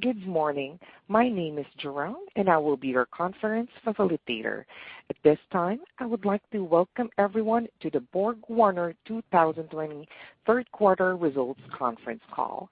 Good morning. My name is Jerome, and I will be your conference facilitator. At this time, I would like to welcome everyone to the BorgWarner 2020 Third Quarter Results Conference Call.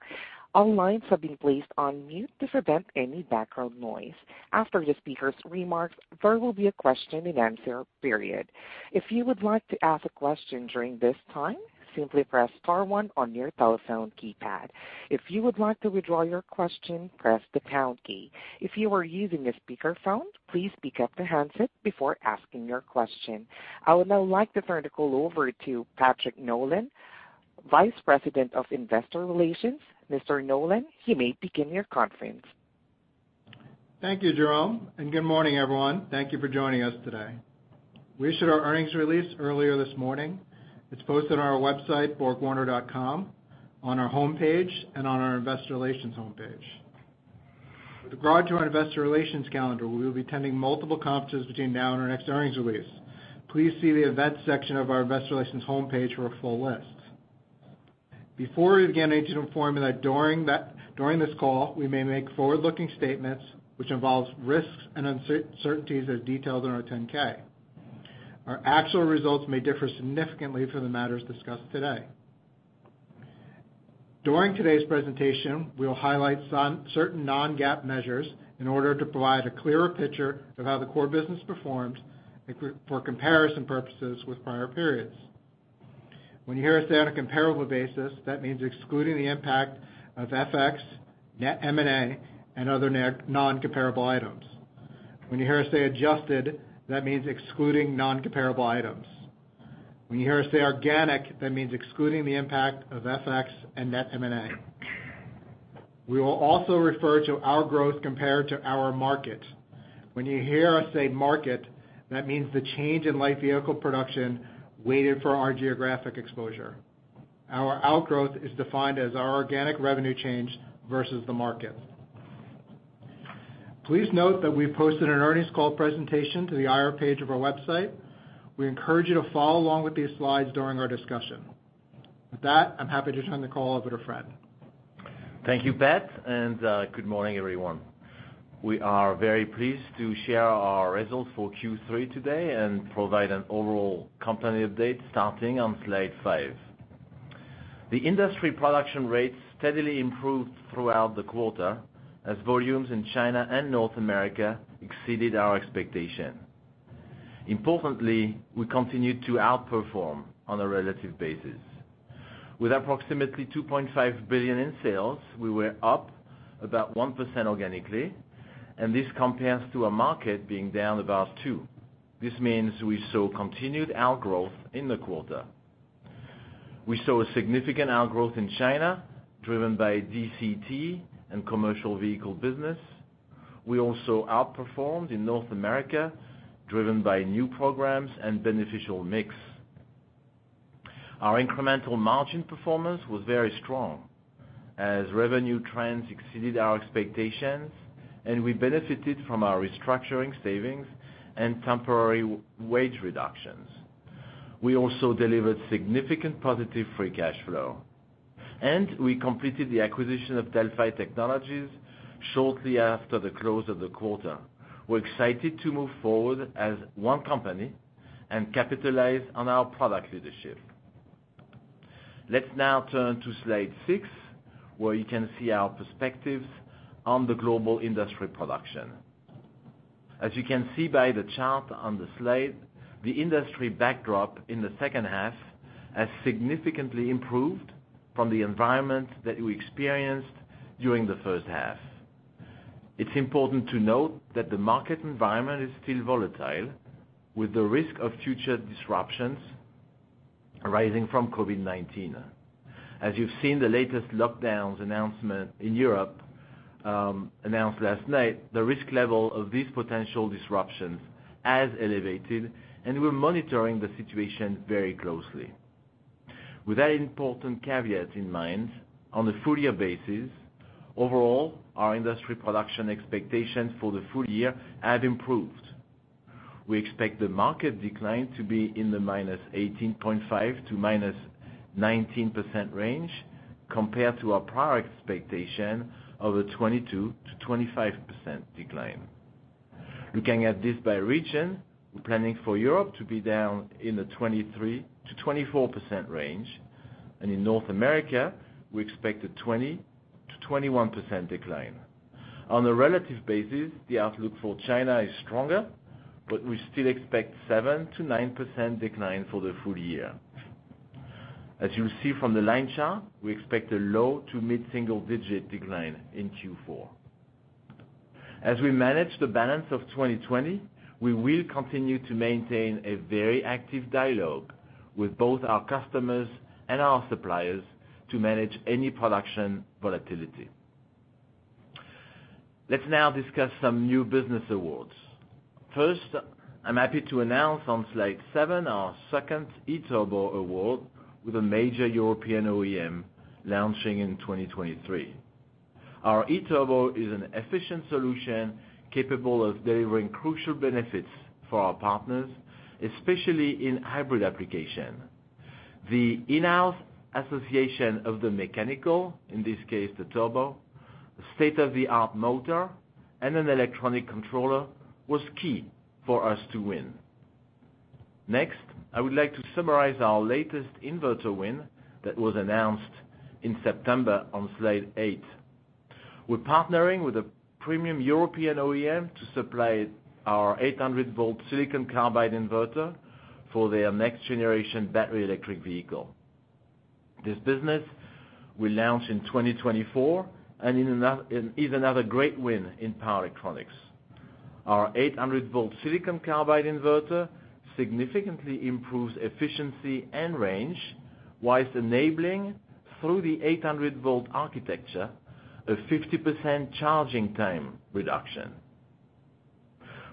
All lines have been placed on mute to prevent any background noise. After the speaker's remarks, there will be a question and answer period. If you would like to ask a question during this time, simply press star one on your telephone keypad. If you would like to withdraw your question, press the pound key. If you are using a speakerphone, please pick up the handset before asking your question. I would now like to turn the call over to Patrick Nolan, Vice President of Investor Relations. Mr. Nolan, you may begin your conference. Thank you, Jerome, and good morning, everyone. Thank you for joining us today. We issued our earnings release earlier this morning. It's posted on our website, BorgWarner.com, on our home page, and on our Investor Relations home page. With regard to our Investor Relations calendar, we will be attending multiple conferences between now and our next earnings release. Please see the events section of our Investor Relations home page for a full list. Before we begin, I need to inform you that during this call, we may make forward-looking statements which involve risks and uncertainties as detailed in our 10-K. Our actual results may differ significantly from the matters discussed today. During today's presentation, we will highlight certain non-GAAP measures in order to provide a clearer picture of how the core business performed for comparison purposes with prior periods. When you hear us say on a comparable basis, that means excluding the impact of FX, net M&A, and other non-comparable items. When you hear us say adjusted, that means excluding non-comparable items. When you hear us say organic, that means excluding the impact of FX and net M&A. We will also refer to our growth compared to our market. When you hear us say market, that means the change in light vehicle production weighted for our geographic exposure. Our outgrowth is defined as our organic revenue change versus the market. Please note that we've posted an earnings call presentation to the IR page of our website. We encourage you to follow along with these slides during our discussion. With that, I'm happy to turn the call over to Fred. Thank you, Pat, and good morning, everyone. We are very pleased to share our results for Q3 today and provide an overall company update starting on slide five. The industry production rates steadily improved throughout the quarter as volumes in China and North America exceeded our expectation. Importantly, we continued to outperform on a relative basis. With approximately $2.5 billion in sales, we were up about 1% organically, and this compares to a market being down about 2%. This means we saw continued outgrowth in the quarter. We saw a significant outgrowth in China driven by DCT and commercial vehicle business. We also outperformed in North America driven by new programs and beneficial mix. Our incremental margin performance was very strong as revenue trends exceeded our expectations, and we benefited from our restructuring savings and temporary wage reductions. We also delivered significant positive free cash flow, and we completed the acquisition of Delphi Technologies shortly after the close of the quarter. We're excited to move forward as one company and capitalize on our product leadership. Let's now turn to slide six, where you can see our perspectives on the global industry production. As you can see by the chart on the slide, the industry backdrop in the second half has significantly improved from the environment that we experienced during the first half. It's important to note that the market environment is still volatile with the risk of future disruptions arising from COVID-19. As you've seen the latest lockdowns announcement in Europe announced last night, the risk level of these potential disruptions has elevated, and we're monitoring the situation very closely. With that important caveat in mind, on a full-year basis, overall, our industry production expectations for the full year have improved. We expect the market decline to be in the minus 18.5%-19% range compared to our prior expectation of a 22%-25% decline. Looking at this by region, we're planning for Europe to be down in the 23%-24% range, and in North America, we expect a 20%-21% decline. On a relative basis, the outlook for China is stronger, but we still expect 7%-9% decline for the full year. As you'll see from the line chart, we expect a low to mid-single-digit decline in Q4. As we manage the balance of 2020, we will continue to maintain a very active dialogue with both our customers and our suppliers to manage any production volatility. Let's now discuss some new business awards. First, I'm happy to announce on slide seven our second eTurbo award with a major European OEM launching in 2023. Our eTurbo is an efficient solution capable of delivering crucial benefits for our partners, especially in hybrid application. The in-house association of the mechanical, in this case the turbo, state-of-the-art motor, and an electronic controller was key for us to win. Next, I would like to summarize our latest inverter win that was announced in September on slide eight. We're partnering with a premium European OEM to supply our 800-volt silicon carbide inverter for their next-generation battery electric vehicle. This business will launch in 2024 and is another great win in power electronics. Our 800-volt silicon carbide inverter significantly improves efficiency and range, while enabling, through the 800-volt architecture, a 50% charging time reduction.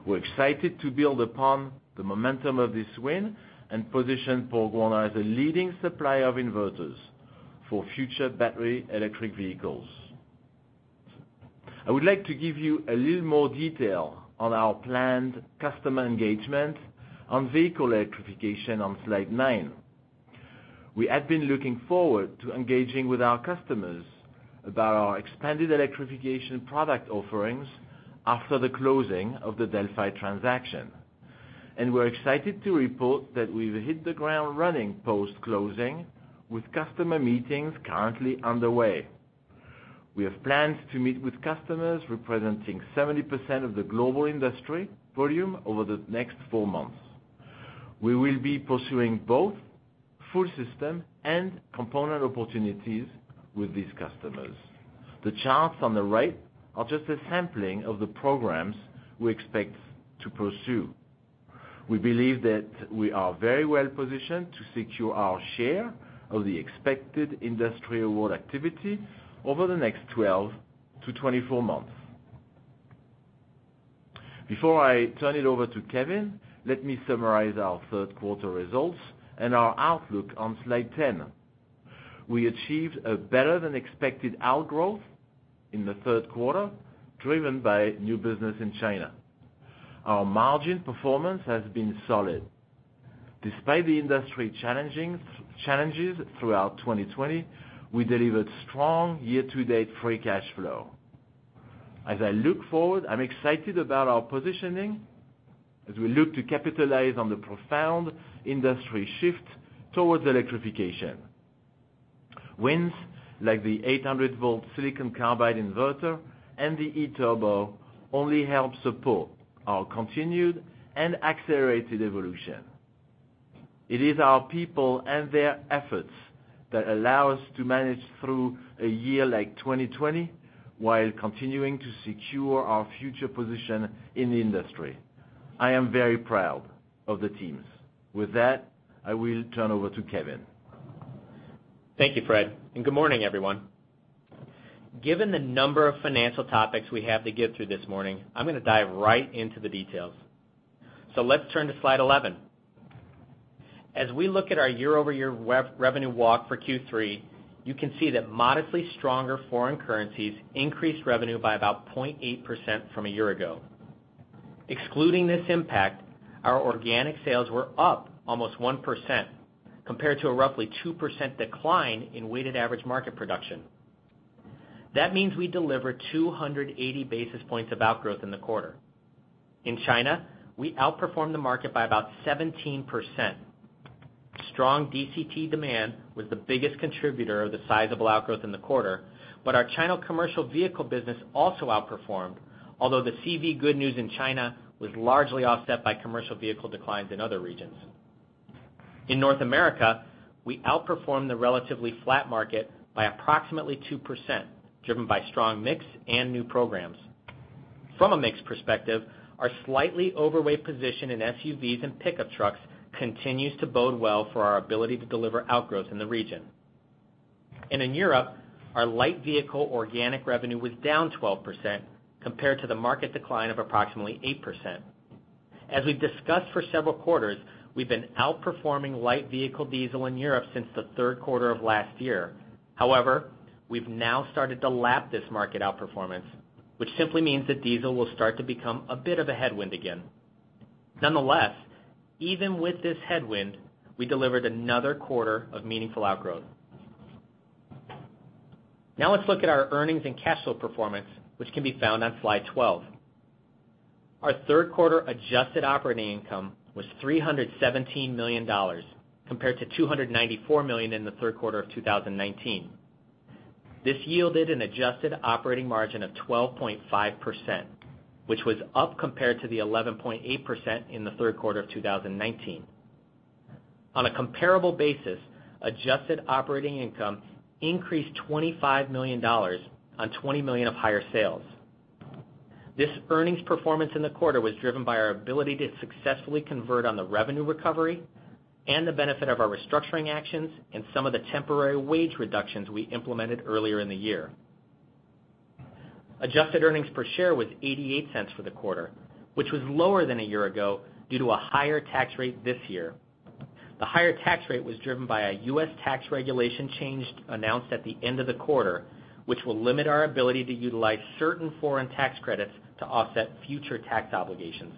We're excited to build upon the momentum of this win and position BorgWarner as a leading supplier of inverters for future battery electric vehicles. I would like to give you a little more detail on our planned customer engagement on vehicle electrification on slide nine. We have been looking forward to engaging with our customers about our expanded electrification product offerings after the closing of the Delphi transaction, and we're excited to report that we've hit the ground running post-closing with customer meetings currently underway. We have plans to meet with customers representing 70% of the global industry volume over the next four months. We will be pursuing both full system and component opportunities with these customers. The charts on the right are just a sampling of the programs we expect to pursue. We believe that we are very well positioned to secure our share of the expected industry award activity over the next 12-24 months. Before I turn it over to Kevin, let me summarize our third quarter results and our outlook on slide 10. We achieved a better-than-expected outgrowth in the third quarter driven by new business in China. Our margin performance has been solid. Despite the industry challenges throughout 2020, we delivered strong year-to-date free cash flow. As I look forward, I'm excited about our positioning as we look to capitalize on the profound industry shift towards electrification. Wins like the 800-volt silicon carbide inverter and the eTurbo only help support our continued and accelerated evolution. It is our people and their efforts that allow us to manage through a year like 2020 while continuing to secure our future position in the industry. I am very proud of the teams. With that, I will turn over to Kevin. Thank you, Fred, and good morning, everyone. Given the number of financial topics we have to get through this morning, I'm going to dive right into the details. So let's turn to slide 11. As we look at our year-over-year revenue walk for Q3, you can see that modestly stronger foreign currencies increased revenue by about 0.8% from a year ago. Excluding this impact, our organic sales were up almost 1% compared to a roughly 2% decline in weighted average market production. That means we delivered 280 basis points of outgrowth in the quarter. In China, we outperformed the market by about 17%. Strong DCT demand was the biggest contributor of the sizable outgrowth in the quarter, but our China commercial vehicle business also outperformed, although the CV good news in China was largely offset by commercial vehicle declines in other regions. In North America, we outperformed the relatively flat market by approximately 2%, driven by strong mix and new programs. From a mix perspective, our slightly overweight position in SUVs and pickup trucks continues to bode well for our ability to deliver outgrowth in the region. And in Europe, our light vehicle organic revenue was down 12% compared to the market decline of approximately 8%. As we've discussed for several quarters, we've been outperforming light vehicle diesel in Europe since the third quarter of last year. However, we've now started to lap this market outperformance, which simply means that diesel will start to become a bit of a headwind again. Nonetheless, even with this headwind, we delivered another quarter of meaningful outgrowth. Now let's look at our earnings and cash flow performance, which can be found on slide 12. Our third quarter adjusted operating income was $317 million compared to $294 million in the third quarter of 2019. This yielded an adjusted operating margin of 12.5%, which was up compared to the 11.8% in the third quarter of 2019. On a comparable basis, adjusted operating income increased $25 million on 20 million of higher sales. This earnings performance in the quarter was driven by our ability to successfully convert on the revenue recovery and the benefit of our restructuring actions and some of the temporary wage reductions we implemented earlier in the year. Adjusted earnings per share was $0.88 for the quarter, which was lower than a year ago due to a higher tax rate this year. The higher tax rate was driven by a U.S. tax regulation change announced at the end of the quarter, which will limit our ability to utilize certain foreign tax credits to offset future tax obligations.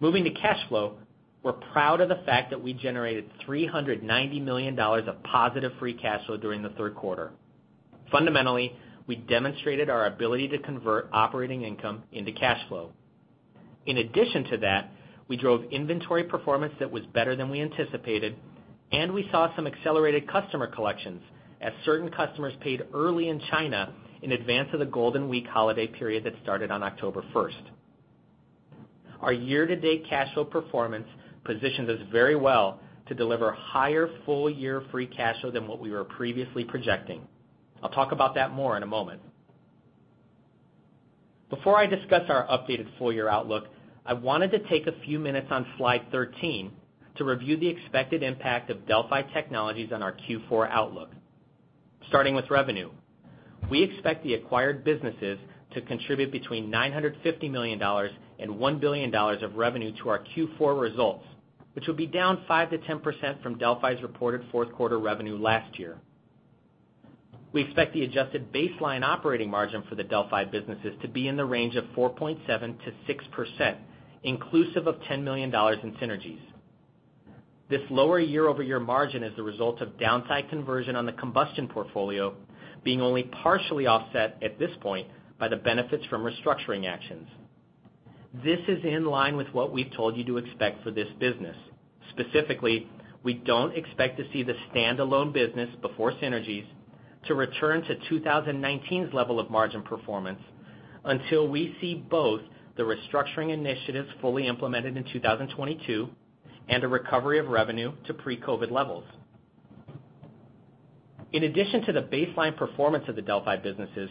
Moving to cash flow, we're proud of the fact that we generated $390 million of positive free cash flow during the third quarter. Fundamentally, we demonstrated our ability to convert operating income into cash flow. In addition to that, we drove inventory performance that was better than we anticipated, and we saw some accelerated customer collections as certain customers paid early in China in advance of the Golden Week holiday period that started on October 1st. Our year-to-date cash flow performance positions us very well to deliver higher full-year free cash flow than what we were previously projecting. I'll talk about that more in a moment. Before I discuss our updated full-year outlook, I wanted to take a few minutes on slide 13 to review the expected impact of Delphi Technologies on our Q4 outlook. Starting with revenue, we expect the acquired businesses to contribute between $950 million and $1 billion of revenue to our Q4 results, which will be down 5%-10% from Delphi's reported fourth quarter revenue last year. We expect the adjusted baseline operating margin for the Delphi businesses to be in the range of 4.7%-6%, inclusive of $10 million in synergies. This lower year-over-year margin is the result of downside conversion on the combustion portfolio being only partially offset at this point by the benefits from restructuring actions. This is in line with what we've told you to expect for this business. Specifically, we don't expect to see the standalone business before synergies to return to 2019's level of margin performance until we see both the restructuring initiatives fully implemented in 2022 and a recovery of revenue to pre-COVID levels. In addition to the baseline performance of the Delphi businesses,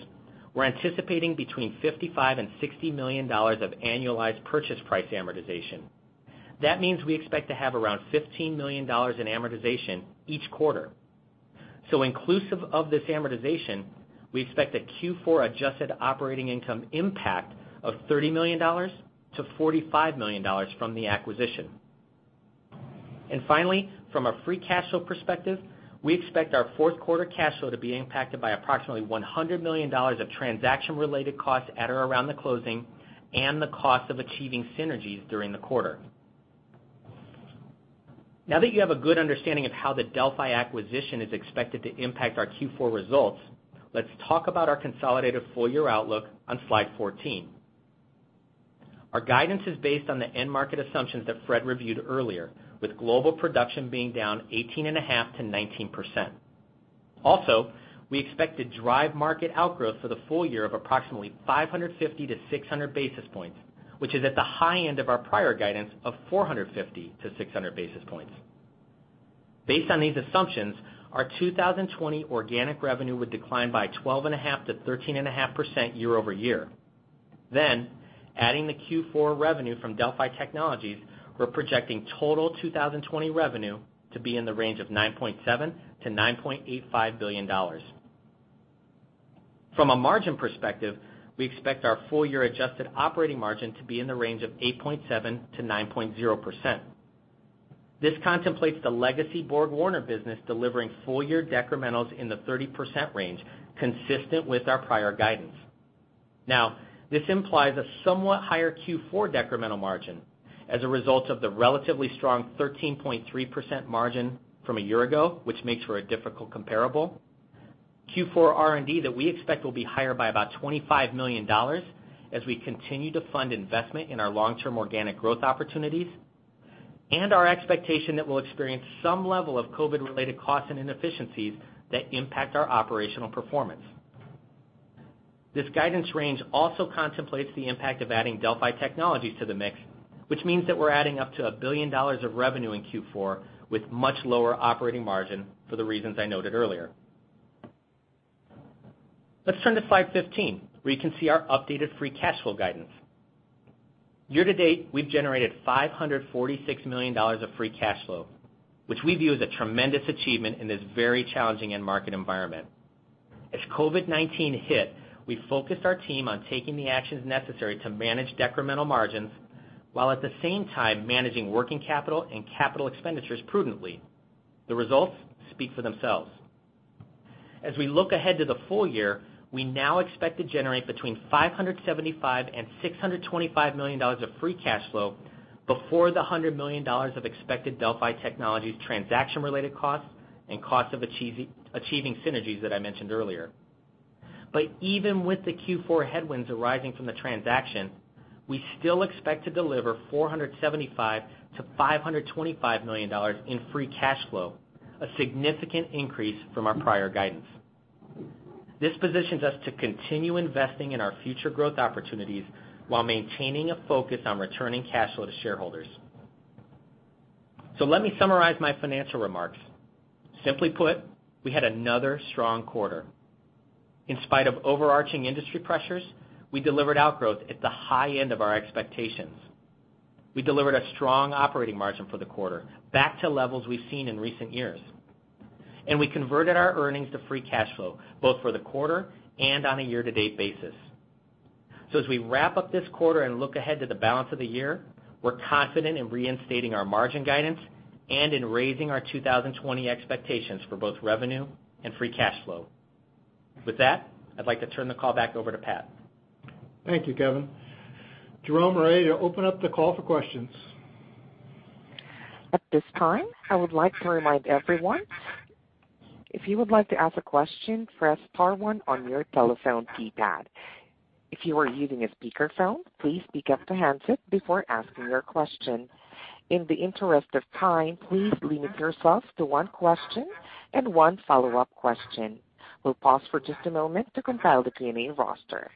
we're anticipating between $55 and $60 million of annualized purchase price amortization. That means we expect to have around $15 million in amortization each quarter. So inclusive of this amortization, we expect a Q4 adjusted operating income impact of $30-$45 million from the acquisition. And finally, from a free cash flow perspective, we expect our fourth quarter cash flow to be impacted by approximately $100 million of transaction-related costs at or around the closing and the cost of achieving synergies during the quarter. Now that you have a good understanding of how the Delphi acquisition is expected to impact our Q4 results, let's talk about our consolidated full-year outlook on Slide 14. Our guidance is based on the end market assumptions that Fred reviewed earlier, with global production being down 18.5-19%. Also, we expect to drive market outgrowth for the full year of approximately 550 to 600 basis points, which is at the high end of our prior guidance of 450 to 600 basis points. Based on these assumptions, our 2020 organic revenue would decline by 12.5-13.5% year-over-year. Then, adding the Q4 revenue from Delphi Technologies, we're projecting total 2020 revenue to be in the range of $9.7-$9.85 billion. From a margin perspective, we expect our full-year adjusted operating margin to be in the range of 8.7%-9.0%. This contemplates the legacy BorgWarner business delivering full-year decrementals in the 30% range consistent with our prior guidance. Now, this implies a somewhat higher Q4 decremental margin as a result of the relatively strong 13.3% margin from a year ago, which makes for a difficult comparable. Q4 R&D that we expect will be higher by about $25 million as we continue to fund investment in our long-term organic growth opportunities and our expectation that we'll experience some level of COVID-related costs and inefficiencies that impact our operational performance. This guidance range also contemplates the impact of adding Delphi Technologies to the mix, which means that we're adding up to $1 billion of revenue in Q4 with much lower operating margin for the reasons I noted earlier. Let's turn to slide 15, where you can see our updated free cash flow guidance. Year-to-date, we've generated $546 million of free cash flow, which we view as a tremendous achievement in this very challenging end market environment. As COVID-19 hit, we focused our team on taking the actions necessary to manage decremental margins while at the same time managing working capital and capital expenditures prudently. The results speak for themselves. As we look ahead to the full year, we now expect to generate between $575 and $625 million of free cash flow before the $100 million of expected Delphi Technologies transaction-related costs and costs of achieving synergies that I mentioned earlier. But even with the Q4 headwinds arising from the transaction, we still expect to deliver $475-$525 million in free cash flow, a significant increase from our prior guidance. This positions us to continue investing in our future growth opportunities while maintaining a focus on returning cash flow to shareholders. Let me summarize my financial remarks. Simply put, we had another strong quarter. In spite of overarching industry pressures, we delivered outgrowth at the high end of our expectations. We delivered a strong operating margin for the quarter back to levels we've seen in recent years. We converted our earnings to free cash flow both for the quarter and on a year-to-date basis. As we wrap up this quarter and look ahead to the balance of the year, we're confident in reinstating our margin guidance and in raising our 2020 expectations for both revenue and free cash flow. With that, I'd like to turn the call back over to Pat. Thank you, Kevin. Jerome or Aaron, open up the call for questions. At this time, I would like to remind everyone, if you would like to ask a question, press star one on your telephone keypad. If you are using a speakerphone, please pick up the handset before asking your question. In the interest of time, please limit yourself to one question and one follow-up question. We'll pause for just a moment to compile the Q&A roster.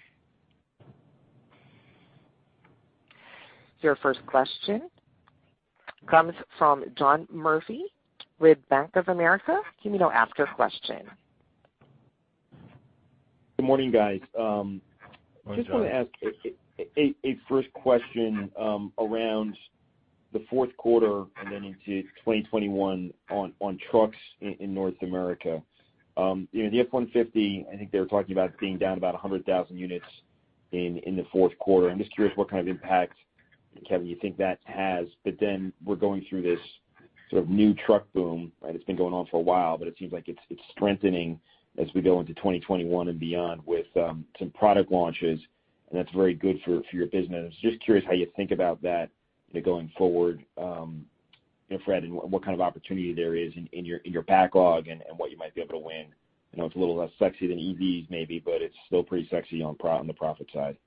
Your first question comes from John Murphy with Bank of America. Please go ahead with your question. Good morning, guys. I just want to ask a first question around the fourth quarter and then into 2021 on trucks in North America. The F-150, I think they were talking about being down about 100,000 units in the fourth quarter. I'm just curious what kind of impact, Kevin, you think that has. But then we're going through this sort of new truck boom, and it's been going on for a while, but it seems like it's strengthening as we go into 2021 and beyond with some product launches, and that's very good for your business. Just curious how you think about that going forward, Fred, and what kind of opportunity there is in your backlog and what you might be able to win. I know it's a little less sexy than EVs maybe, but it's still pretty sexy on the profit side.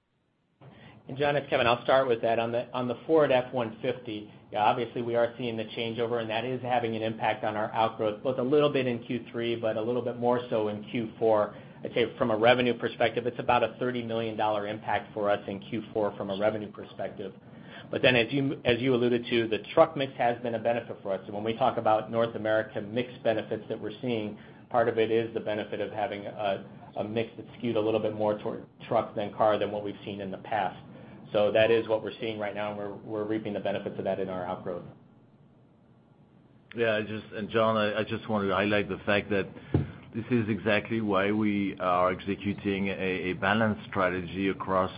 And John, it's Kevin. I'll start with that. On the Ford F-150, obviously, we are seeing the changeover, and that is having an impact on our outgrowth, both a little bit in Q3, but a little bit more so in Q4. I'd say from a revenue perspective, it's about a $30 million impact for us in Q4 from a revenue perspective. But then, as you alluded to, the truck mix has been a benefit for us. And when we talk about North America mix benefits that we're seeing, part of it is the benefit of having a mix that's skewed a little bit more toward truck than car than what we've seen in the past. So that is what we're seeing right now, and we're reaping the benefits of that in our outgrowth. Yeah. And John, I just want to highlight the fact that this is exactly why we are executing a balanced strategy across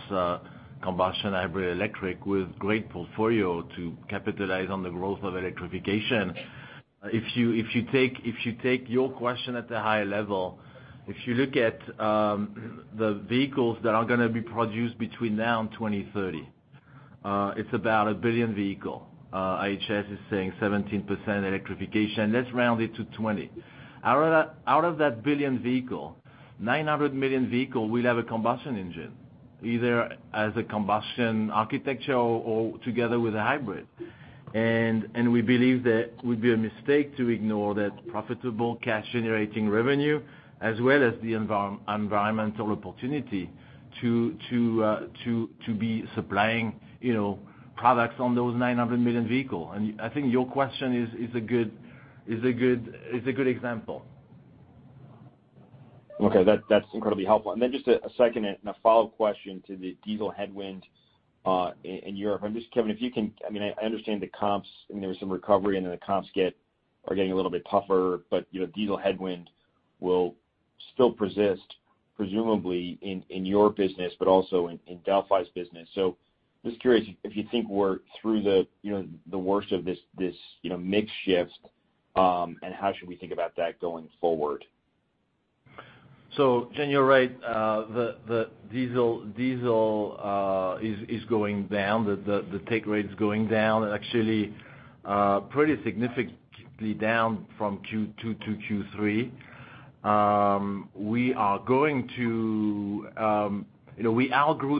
combustion hybrid electric with a great portfolio to capitalize on the growth of electrification. If you take your question at a higher level, if you look at the vehicles that are going to be produced between now and 2030, it's about a billion vehicles. IHS is saying 17% electrification. Let's round it to 20%. Out of that billion vehicles, 900 million vehicles will have a combustion engine, either as a combustion architecture or together with a hybrid. And we believe that it would be a mistake to ignore that profitable cash-generating revenue as well as the environmental opportunity to be supplying products on those 900 million vehicles. And I think your question is a good example. Okay. That's incredibly helpful. And then just a second and a follow-up question to the diesel headwind in Europe. I'm just, Kevin, if you can, I mean, I understand the comps. I mean, there was some recovery, and then the comps are getting a little bit tougher, but diesel headwind will still persist, presumably, in your business, but also in Delphi's business. So just curious if you think we're through the worst of this mix shift, and how should we think about that going forward? John, you're right. The diesel is going down. The take rate is going down, actually pretty significantly down from Q2 to Q3. We outgrew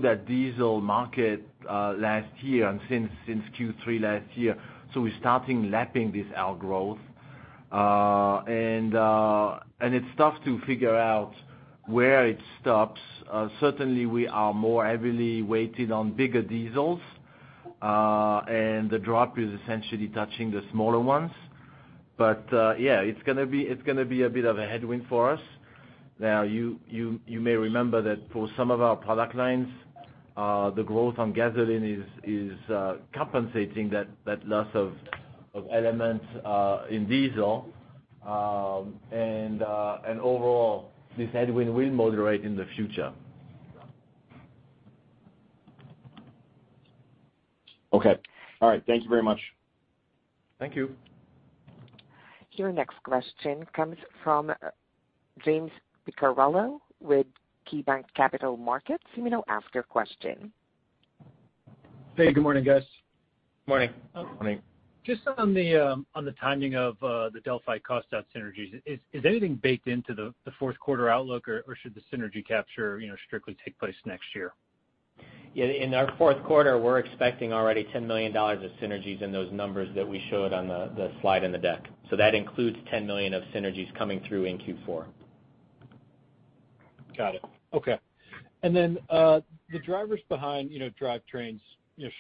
that diesel market last year and since Q3 last year. So we're starting lapping this outgrowth. And it's tough to figure out where it stops. Certainly, we are more heavily weighted on bigger diesels, and the drop is essentially touching the smaller ones. But yeah, it's going to be a bit of a headwind for us. Now, you may remember that for some of our product lines, the growth on gasoline is compensating that loss of elements in diesel. And overall, this headwind will moderate in the future. Okay. All right. Thank you very much. Thank you. Your next question comes from James Picariello with KeyBanc Capital Markets. Let me know after question. Hey, good morning, guys. Good morning. Good morning. Just on the timing of the Delphi cost out synergies, is anything baked into the fourth quarter outlook, or should the synergy capture strictly take place next year? Yeah. In our fourth quarter, we're expecting already $10 million of synergies in those numbers that we showed on the slide in the deck. So that includes $10 million of synergies coming through in Q4. Got it. Okay. And then the drivers behind drivetrains,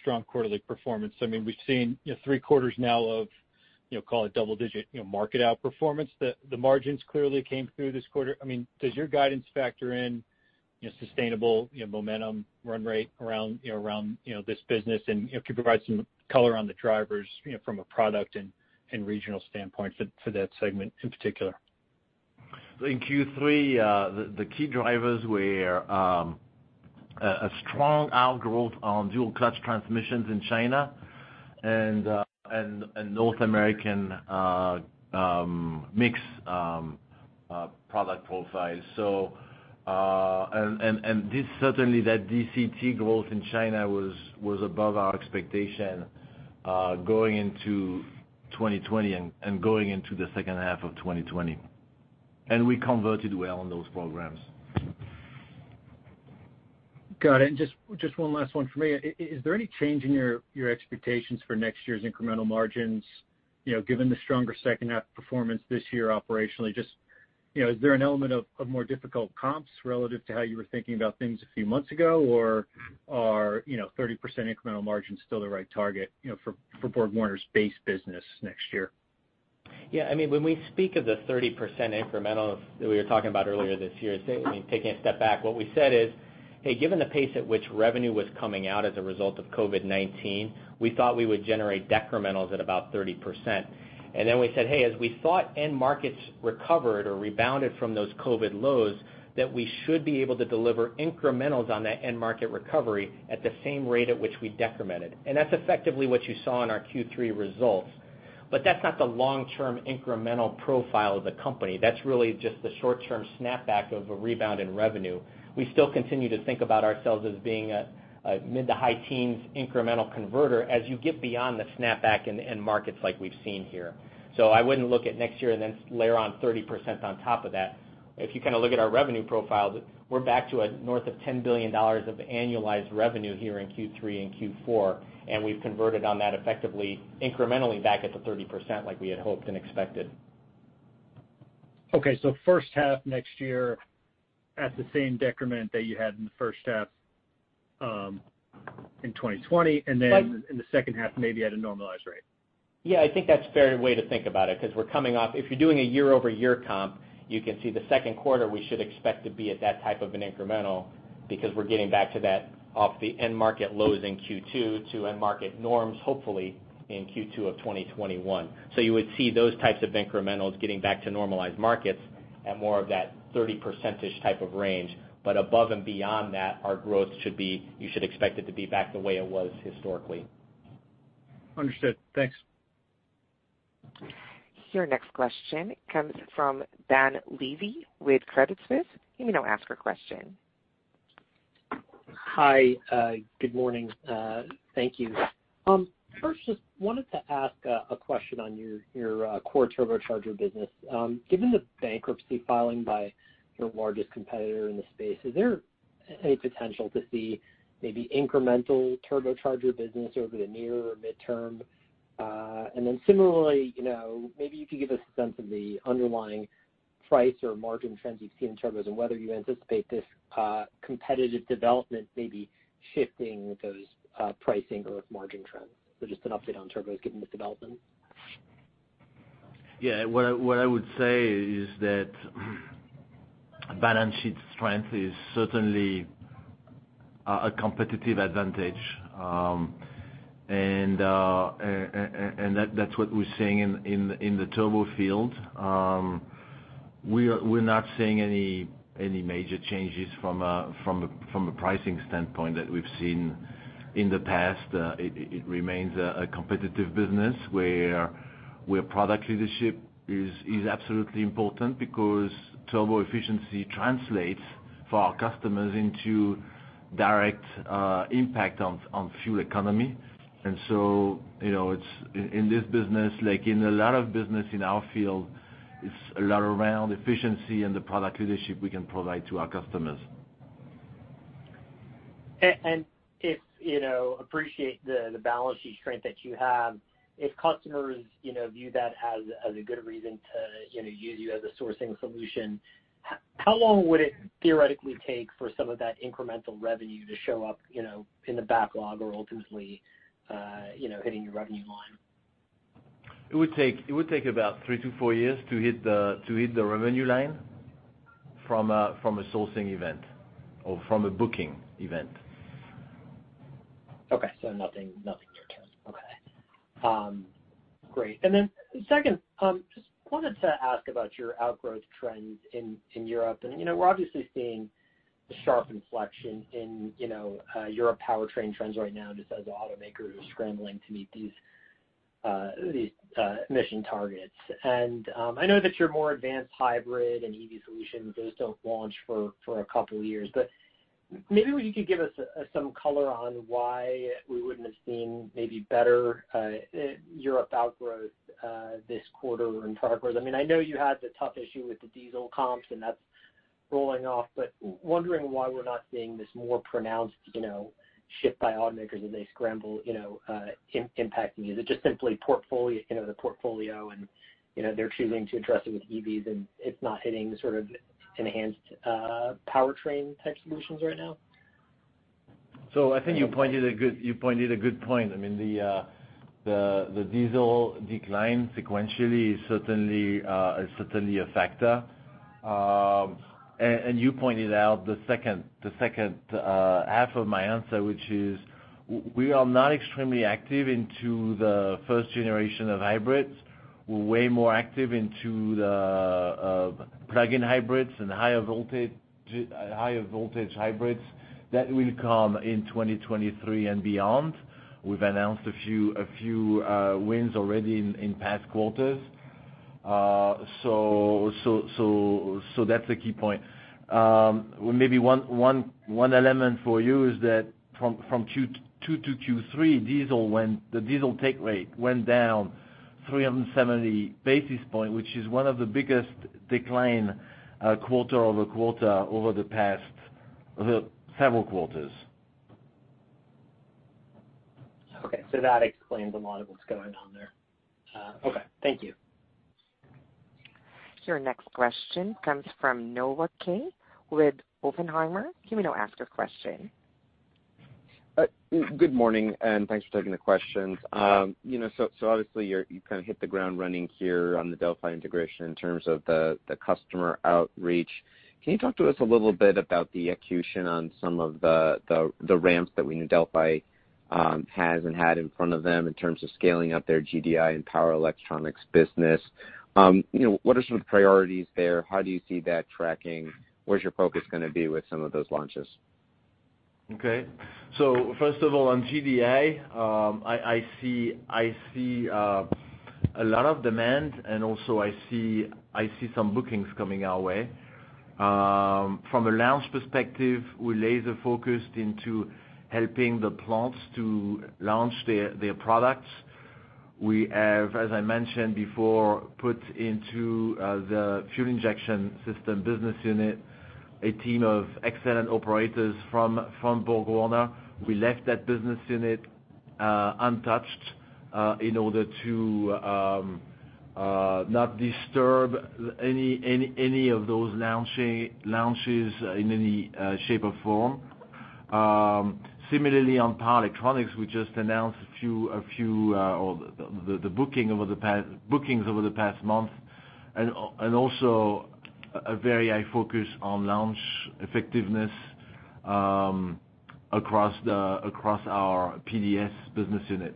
strong quarterly performance. I mean, we've seen three quarters now of, call it double-digit market outperformance. The margins clearly came through this quarter. I mean, does your guidance factor in sustainable momentum run rate around this business? And if you provide some color on the drivers from a product and regional standpoint for that segment in particular. In Q3, the key drivers were a strong outgrowth on dual-clutch transmissions in China and North American mix product profiles. And certainly, that DCT growth in China was above our expectation going into 2020 and going into the second half of 2020. And we converted well on those programs. Got it. And just one last one for me. Is there any change in your expectations for next year's incremental margins given the stronger second-half performance this year operationally? Just is there an element of more difficult comps relative to how you were thinking about things a few months ago, or are 30% incremental margins still the right target for BorgWarner's base business next year? Yeah. I mean, when we speak of the 30% incrementals that we were talking about earlier this year, taking a step back, what we said is, "Hey, given the pace at which revenue was coming out as a result of COVID-19, we thought we would generate decrementals at about 30%." And then we said, "Hey, as we thought end markets recovered or rebounded from those COVID lows, that we should be able to deliver incrementals on that end market recovery at the same rate at which we decremented." And that's effectively what you saw in our Q3 results. But that's not the long-term incremental profile of the company. That's really just the short-term snapback of a rebound in revenue. We still continue to think about ourselves as being a mid to high-teens incremental converter as you get beyond the snapback in markets like we've seen here. So I wouldn't look at next year and then layer on 30% on top of that. If you kind of look at our revenue profiles, we're back to a north of $10 billion of annualized revenue here in Q3 and Q4, and we've converted on that effectively incrementally back at the 30% like we had hoped and expected. Okay, so first half next year at the same decrement that you had in the first half in 2020, and then in the second half, maybe at a normalized rate. Yeah. I think that's a fair way to think about it because we're coming off—if you're doing a year-over-year comp, you can see the second quarter we should expect to be at that type of an incremental because we're getting back to that off the end market lows in Q2 to end market norms, hopefully, in Q2 of 2021. So you would see those types of incrementals getting back to normalized markets at more of that 30% type of range. But above and beyond that, our growth should be—you should expect it to be back the way it was historically. Understood. Thanks. Your next question comes from Dan Levy with Credit Suisse. Let me now ask a question. Hi. Good morning. Thank you. First, just wanted to ask a question on your core turbocharger business. Given the bankruptcy filing by your largest competitor in the space, is there any potential to see maybe incremental turbocharger business over the near or midterm? And then similarly, maybe you could give us a sense of the underlying price or margin trends you've seen in turbos and whether you anticipate this competitive development maybe shifting those pricing or margin trends. So just an update on turbos given this development. Yeah. What I would say is that balance sheet strength is certainly a competitive advantage. And that's what we're seeing in the turbo field. We're not seeing any major changes from a pricing standpoint that we've seen in the past. It remains a competitive business where product leadership is absolutely important because turbo efficiency translates for our customers into direct impact on fuel economy. And so in this business, like in a lot of business in our field, it's a lot around efficiency and the product leadership we can provide to our customers. And appreciate the balance sheet strength that you have. If customers view that as a good reason to use you as a sourcing solution, how long would it theoretically take for some of that incremental revenue to show up in the backlog or ultimately hitting your revenue line? It would take about three to four years to hit the revenue line from a sourcing event or from a booking event. Okay. So nothing near term. Okay. Great. And then second, just wanted to ask about your outgrowth trends in Europe. We're obviously seeing a sharp inflection in your powertrain trends right now just as the automakers are scrambling to meet these emission targets. I know that your more advanced hybrid and EV solutions, those don't launch for a couple of years. But maybe you could give us some color on why we wouldn't have seen maybe better Europe outgrowth this quarter in progress. I mean, I know you had the tough issue with the diesel comps, and that's rolling off, but wondering why we're not seeing this more pronounced shift by automakers as they scramble impacting. Is it just simply the portfolio, and they're choosing to address it with EVs, and it's not hitting sort of enhanced powertrain type solutions right now? So I think you pointed a good point. I mean, the diesel decline sequentially is certainly a factor. And you pointed out the second half of my answer, which is we are not extremely active into the first generation of hybrids. We're way more active into the plug-in hybrids and higher voltage hybrids that will come in 2023 and beyond. We've announced a few wins already in past quarters. So that's a key point. Maybe one element for you is that from Q2 to Q3, the diesel take rate went down 370 basis points, which is one of the biggest declines quarter over quarter over the past several quarters. Okay. So that explains a lot of what's going on there. Okay. Thank you. Your next question comes from Noah Kaye with Oppenheimer. Go ahead and ask a question. Good morning, and thanks for taking the questions. So obviously, you kind of hit the ground running here on the Delphi integration in terms of the customer outreach. Can you talk to us a little bit about the action on some of the ramps that we know Delphi has and had in front of them in terms of scaling up their GDI and power electronics business? What are some of the priorities there? How do you see that tracking? Where's your focus going to be with some of those launches? Okay. So first of all, on GDI, I see a lot of demand, and also I see some bookings coming our way. From a launch perspective, we're laser-focused into helping the plants to launch their products. We have, as I mentioned before, put into the fuel injection system business unit a team of excellent operators from BorgWarner. We left that business unit untouched in order to not disturb any of those launches in any shape or form. Similarly, on power electronics, we just announced a few of the bookings over the past month and also a very high focus on launch effectiveness across our PDS business unit.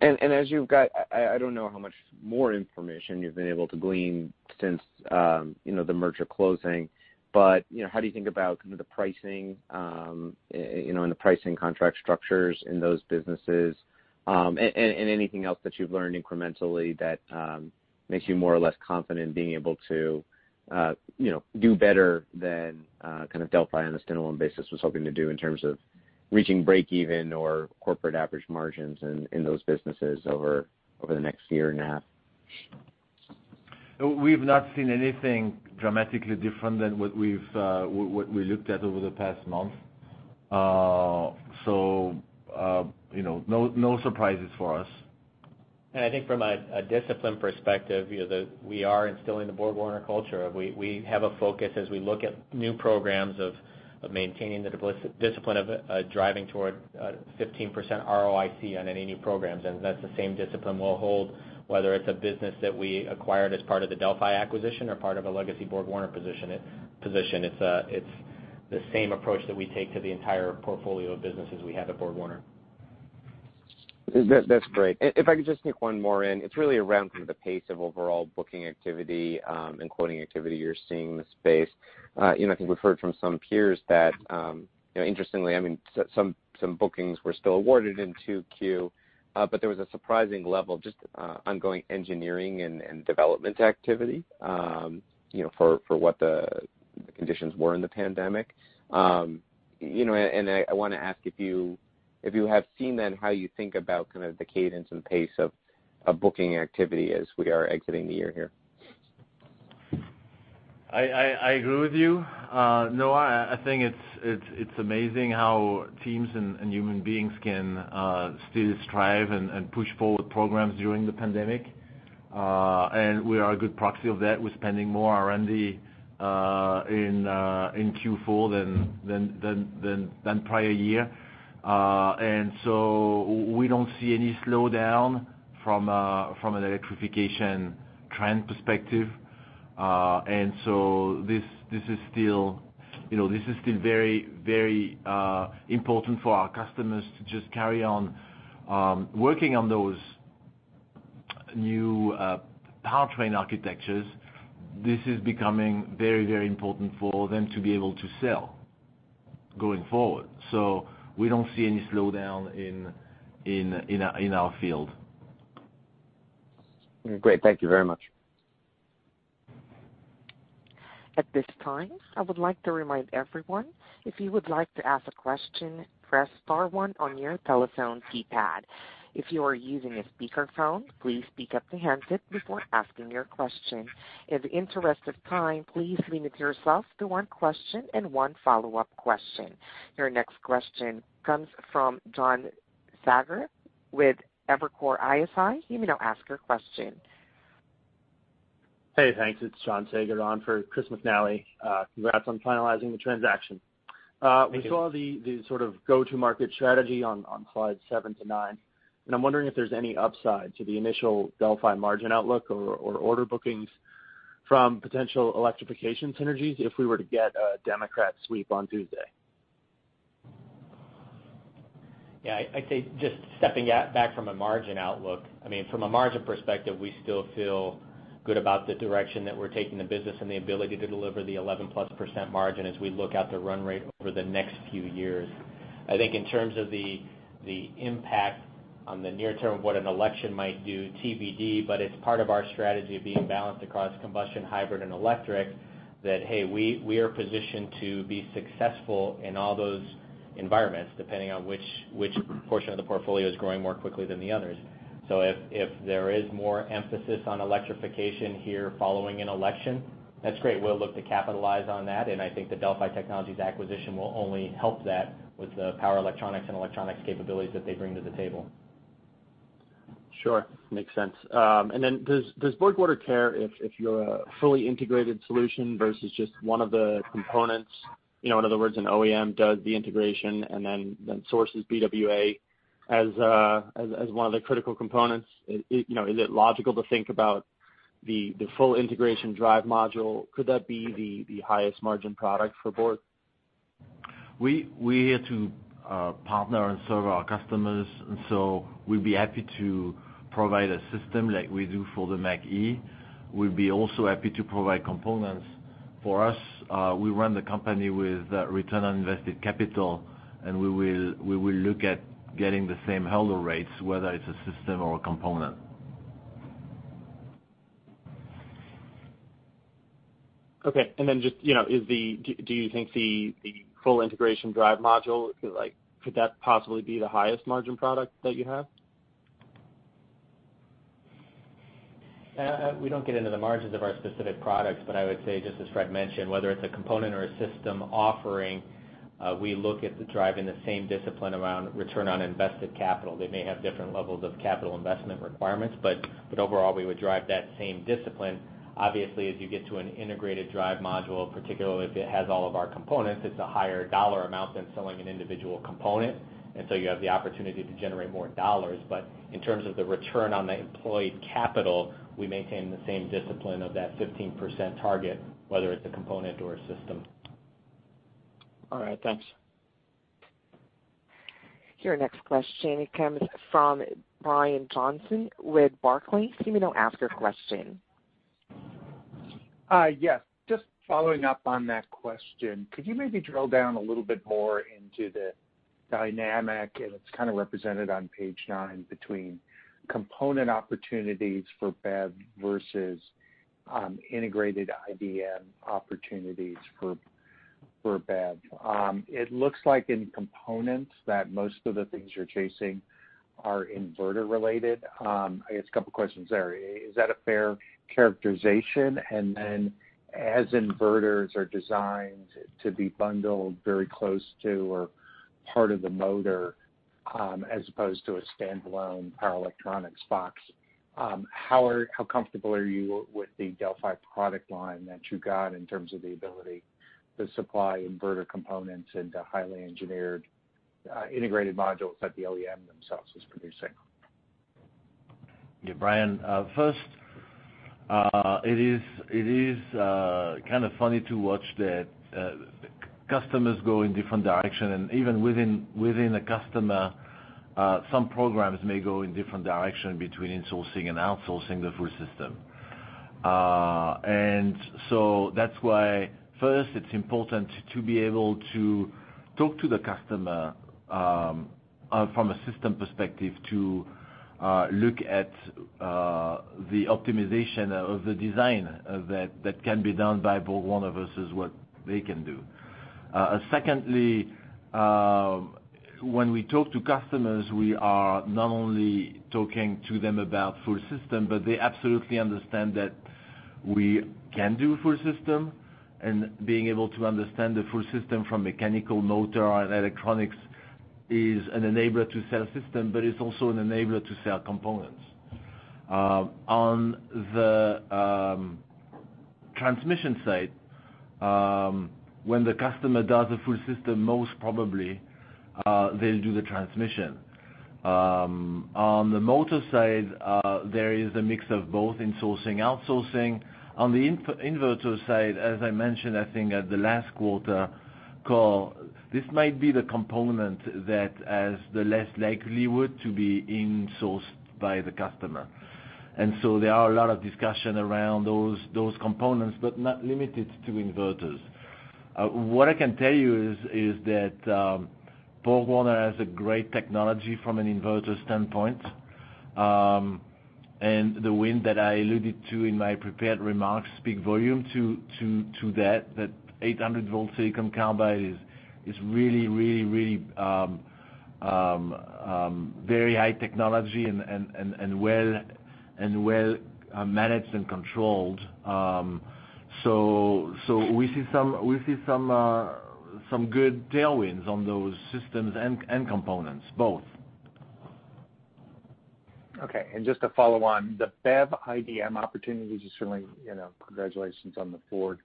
As you've got, I don't know how much more information you've been able to glean since the merger closing, but how do you think about some of the pricing and the pricing contract structures in those businesses and anything else that you've learned incrementally that makes you more or less confident in being able to do better than kind of Delphi on a standalone basis was hoping to do in terms of reaching break-even or corporate average margins in those businesses over the next year and a half? We've not seen anything dramatically different than what we looked at over the past month. So no surprises for us. I think from a discipline perspective, we are instilling the BorgWarner culture. We have a focus as we look at new programs of maintaining the discipline of driving toward 15% ROIC on any new programs. And that's the same discipline we'll hold, whether it's a business that we acquired as part of the Delphi acquisition or part of a legacy BorgWarner position. It's the same approach that we take to the entire portfolio of businesses we have at BorgWarner. That's great. If I could just sneak one more in, it's really around some of the pace of overall booking activity and quoting activity you're seeing in the space. I think we've heard from some peers that, interestingly, I mean, some bookings were still awarded in Q2, but there was a surprising level of just ongoing engineering and development activity for what the conditions were in the pandemic, and I want to ask if you have seen then how you think about kind of the cadence and pace of booking activity as we are exiting the year here. I agree with you, Noah. I think it's amazing how teams and human beings can still strive and push forward programs during the pandemic, and we are a good proxy of that. We're spending more R&D in Q4 than prior year, and so we don't see any slowdown from an electrification trend perspective, and so this is still very, very important for our customers to just carry on working on those new powertrain architectures. This is becoming very, very important for them to be able to sell going forward, so we don't see any slowdown in our field. Great. Thank you very much. At this time, I would like to remind everyone, if you would like to ask a question, press star one on your telephone keypad. If you are using a speakerphone, please pick up the handset before asking your question. In the interest of time, please limit yourself to one question and one follow-up question. Your next question comes from John Saager with Evercore ISI. He may now ask your question. Hey, thanks. It's John Saager on for Chris McNally. Congrats on finalizing the transaction. We saw the sort of go-to-market strategy on slides seven to nine. And I'm wondering if there's any upside to the initial Delphi margin outlook or order bookings from potential electrification synergies if we were to get a Democrat sweep on Tuesday. Yeah. I'd say just stepping back from a margin outlook, I mean, from a margin perspective, we still feel good about the direction that we're taking the business and the ability to deliver the 11-plus% margin as we look at the run rate over the next few years. I think in terms of the impact on the near term of what an election might do, TBD, but it's part of our strategy of being balanced across combustion, hybrid, and electric that, hey, we are positioned to be successful in all those environments depending on which portion of the portfolio is growing more quickly than the others. So if there is more emphasis on electrification here following an election, that's great. We'll look to capitalize on that. I think the Delphi Technologies acquisition will only help that with the power electronics and electronics capabilities that they bring to the table. Sure. Makes sense. And then does BorgWarner care if you're a fully integrated solution versus just one of the components? In other words, an OEM does the integration and then sources BWA as one of the critical components. Is it logical to think about the full Integrated Drive Module? Could that be the highest margin product for Borg? We are to partner and serve our customers. And so we'd be happy to provide a system like we do for the Mach-E. We'd be also happy to provide components for us. We run the company with return on invested capital, and we will look at getting the same hurdle rates, whether it's a system or a component. Okay. And then just do you think the fully integrated drive module could possibly be the highest margin product that you have? We don't get into the margins of our specific products, but I would say just as Fred mentioned, whether it's a component or a system offering, we look at driving the same discipline around return on invested capital. They may have different levels of capital investment requirements, but overall, we would drive that same discipline. Obviously, as you get to an integrated drive module, particularly if it has all of our components, it's a higher dollar amount than selling an individual component, and so you have the opportunity to generate more dollars, but in terms of the return on the invested capital, we maintain the same discipline of that 15% target, whether it's a component or a system. All right. Thanks. Your next question comes from Brian Johnson with Barclays. You may now ask your question. Yes. Just following up on that question, could you maybe drill down a little bit more into the dynamic? And it's kind of represented on page nine between component opportunities for BEV versus integrated IDM opportunities for BEV. It looks like in components that most of the things you're chasing are inverter-related. I guess a couple of questions there. Is that a fair characterization? And then as inverters are designed to be bundled very close to or part of the motor as opposed to a standalone power electronics box, how comfortable are you with the Delphi product line that you got in terms of the ability to supply inverter components into highly engineered integrated modules that the OEM themselves is producing? Yeah, Brian, first, it is kind of funny to watch that customers go in different directions. And even within a customer, some programs may go in different directions between insourcing and outsourcing the full system. And so that's why, first, it's important to be able to talk to the customer from a system perspective to look at the optimization of the design that can be done by BorgWarner versus what they can do. Secondly, when we talk to customers, we are not only talking to them about full system, but they absolutely understand that we can do full system. And being able to understand the full system from mechanical motor and electronics is an enabler to sell system, but it's also an enabler to sell components. On the transmission side, when the customer does a full system, most probably they'll do the transmission. On the motor side, there is a mix of both insourcing and outsourcing. On the inverter side, as I mentioned, I think at the last quarter call, this might be the component that has the less likelihood to be insourced by the customer. And so there are a lot of discussions around those components, but not limited to inverters. What I can tell you is that BorgWarner has a great technology from an inverter standpoint. And the wind that I alluded to in my prepared remarks speaks volume to that. That 800-volt silicon carbide is really, really, really very high technology and well managed and controlled. So we see some good tailwinds on those systems and components, both. Okay. And just to follow on, the BEV IDM opportunities are certainly congratulations on the Ford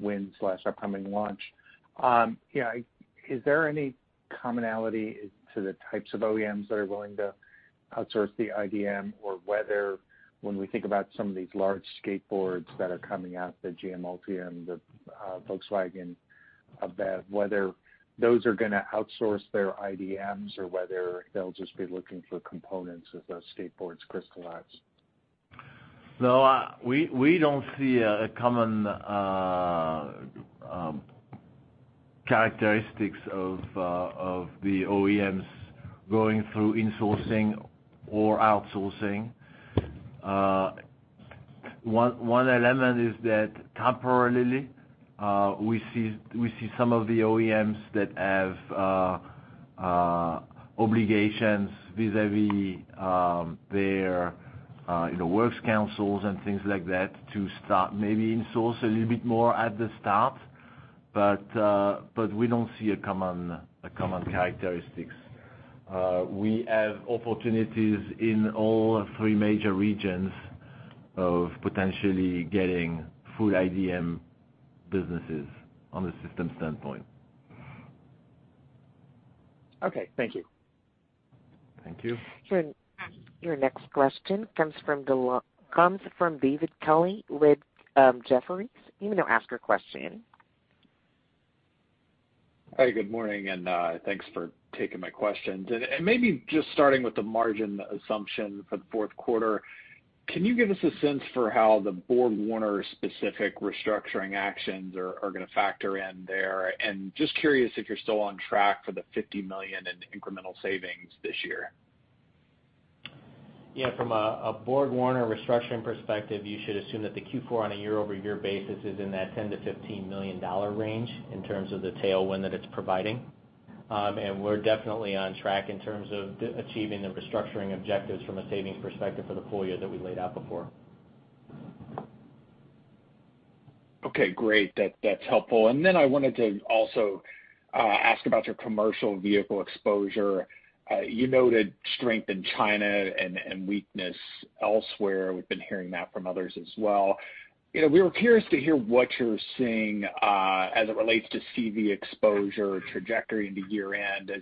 win/upcoming launch. Is there any commonality to the types of OEMs that are willing to outsource the IDM or whether when we think about some of these large skateboards that are coming out, the GM Ultium, the Volkswagen MEB, whether those are going to outsource their IDMs or whether they'll just be looking for components as those skateboards crystallize? No, we don't see common characteristics of the OEMs going through insourcing or outsourcing. One element is that temporarily we see some of the OEMs that have obligations vis-à-vis their works councils and things like that to start maybe insource a little bit more at the start, but we don't see common characteristics. We have opportunities in all three major regions of potentially getting full IDM businesses on the system standpoint. Okay. Thank you. Thank you. Your next question comes from David Kelley with Jefferies. He may now ask your question. Hey, good morning. And thanks for taking my questions. And maybe just starting with the margin assumption for the fourth quarter, can you give us a sense for how the BorgWarner-specific restructuring actions are going to factor in there? And just curious if you're still on track for the $50 million in incremental savings this year. Yeah. From a BorgWarner restructuring perspective, you should assume that the Q4 on a year-over-year basis is in that $10 million-$15 million range in terms of the tailwind that it's providing, and we're definitely on track in terms of achieving the restructuring objectives from a savings perspective for the full year that we laid out before. Okay. Great. That's helpful. And then I wanted to also ask about your commercial vehicle exposure. You noted strength in China and weakness elsewhere. We've been hearing that from others as well. We were curious to hear what you're seeing as it relates to CV exposure trajectory into year-end.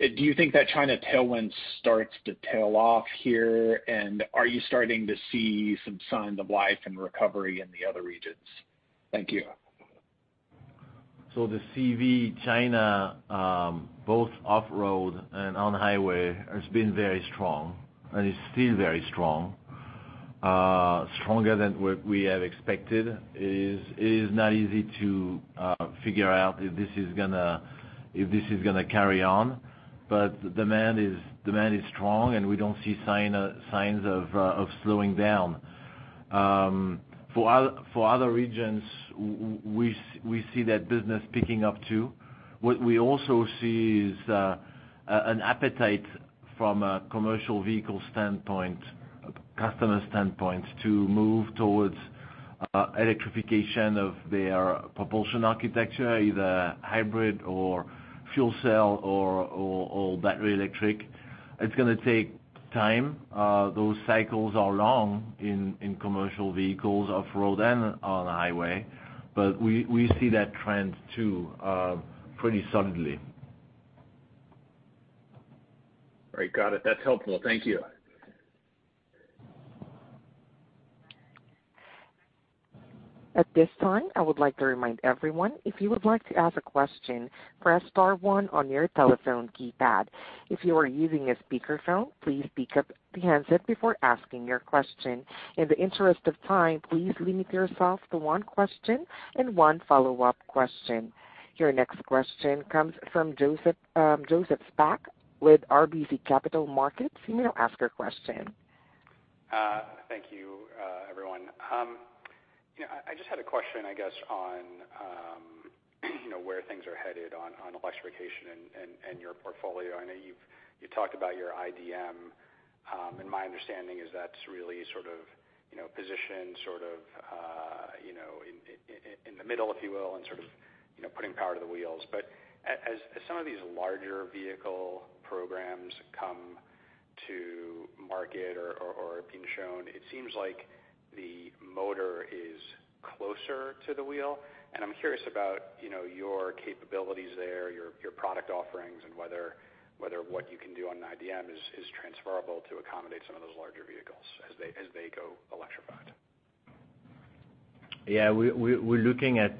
Do you think that China tailwind starts to tail off here? And are you starting to see some signs of life and recovery in the other regions? Thank you. The CV China, both off-road and on highway, has been very strong and is still very strong, stronger than we have expected. It is not easy to figure out if this is going to carry on, but the demand is strong, and we don't see signs of slowing down. For other regions, we see that business picking up too. What we also see is an appetite from a commercial vehicle standpoint, customer standpoint, to move towards electrification of their propulsion architecture, either hybrid or fuel cell or battery electric. It's going to take time. Those cycles are long in commercial vehicles off-road and on-highway, but we see that trend too pretty solidly. All right. Got it. That's helpful. Thank you. At this time, I would like to remind everyone, if you would like to ask a question, press star one on your telephone keypad. If you are using a speakerphone, please speak up the handset before asking your question. In the interest of time, please limit yourself to one question and one follow-up question. Your next question comes from Joseph Spach with RBC Capital Markets. He may now ask your question. Thank you, everyone. I just had a question, I guess, on where things are headed on electrification and your portfolio. I know you've talked about your IDM. And my understanding is that's really sort of positioned sort of in the middle, if you will, and sort of putting power to the wheels. But as some of these larger vehicle programs come to market or have been shown, it seems like the motor is closer to the wheel. And I'm curious about your capabilities there, your product offerings, and whether what you can do on IDM is transferable to accommodate some of those larger vehicles as they go electrified. Yeah. We're looking at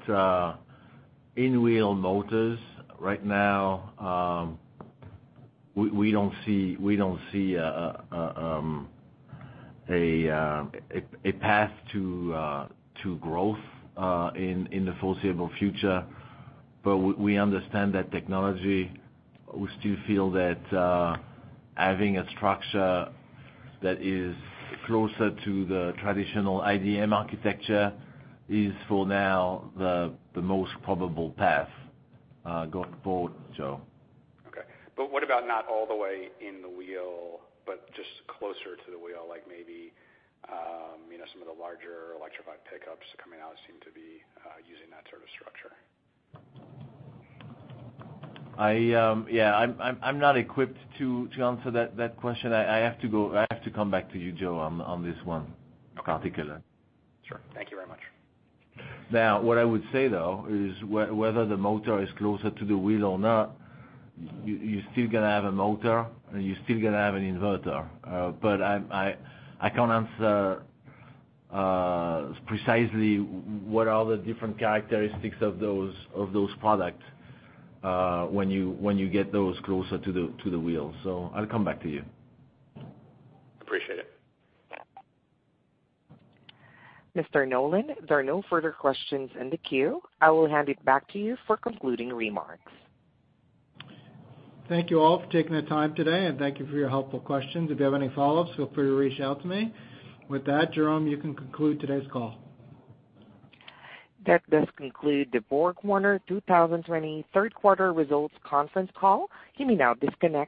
in-wheel motors right now. We don't see a path to growth in the foreseeable future, but we understand that technology. We still feel that having a structure that is closer to the traditional IDM architecture is, for now, the most probable path going forward, so. Okay. But what about not all the way in the wheel, but just closer to the wheel, like maybe some of the larger electrified pickups coming out seem to be using that sort of structure? Yeah. I'm not equipped to answer that question. I have to come back to you, Joe, on this one in particular. Sure. Thank you very much. Now, what I would say, though, is whether the motor is closer to the wheel or not, you're still going to have a motor, and you're still going to have an inverter. But I can't answer precisely what are the different characteristics of those products when you get those closer to the wheel. So I'll come back to you. Appreciate it. Mr. Nolan, there are no further questions in the queue. I will hand it back to you for concluding remarks. Thank you all for taking the time today, and thank you for your helpful questions. If you have any follow-ups, feel free to reach out to me. With that, Jerome, you can conclude today's call. That does conclude the BorgWarner 2020 third quarter results conference call. He may now disconnect.